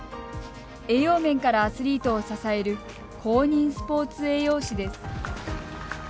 栄養面からアスリートを支える公認スポーツ栄養士です。